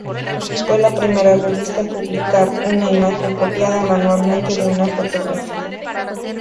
Fue la primera revista en publicar una imagen copiada manualmente de una fotografía.